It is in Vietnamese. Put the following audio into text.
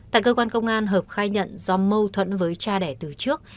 tại cơ quan công an hợp khai nhận do mâu thuẫn với cha đẻ từ trước